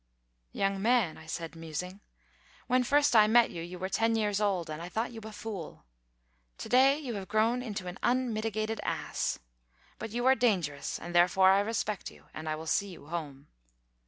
"Young man," I said, musing, "when first I met you, you were ten years old, and I thought you a fool. To day you have grown into an unmitigated ass. But you are dangerous; and therefore I respect you, and will see you home."